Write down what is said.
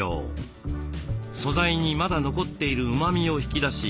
素材にまだ残っているうまみを引き出し